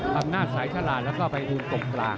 กำหน้าสายทราวรรดิแล้วก็ไปอุ่งตกกลาง